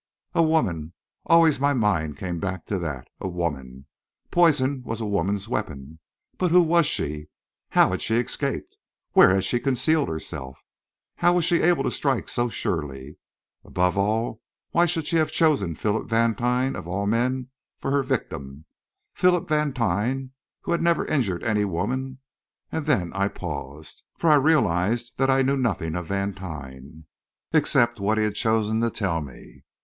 A woman! Always my mind came back to that. A woman! Poison was a woman's weapon. But who was she? How had she escaped? Where had she concealed herself? How was she able to strike so surely? Above all, why should she have chosen Philip Vantine, of all men, for her victim Philip Vantine, who had never injured any woman and then I paused. For I realised that I knew nothing of Vantine, except what he had chosen to tell me.